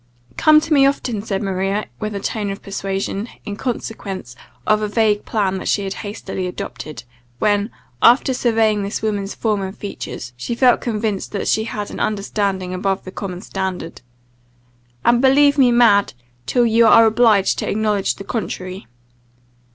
"Come to me often," said Maria, with a tone of persuasion, in consequence of a vague plan that she had hastily adopted, when, after surveying this woman's form and features, she felt convinced that she had an understanding above the common standard, "and believe me mad, till you are obliged to acknowledge the contrary."